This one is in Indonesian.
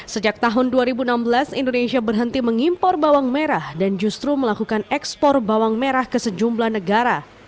sejak tahun dua ribu enam belas indonesia berhenti mengimpor bawang merah dan justru melakukan ekspor bawang merah ke sejumlah negara